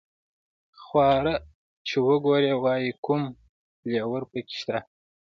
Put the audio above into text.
خواړه چې وګوري وایي کوم فلېور په کې شته.